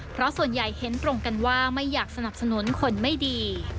เพราะส่วนใหญ่เห็นตรงกันว่าไม่อยากสนับสนุนคนไม่ดี